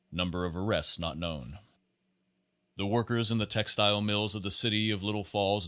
Number of arrests not known. Pasre Twenty five The workers in the textile mills of the city of Little Falls, N.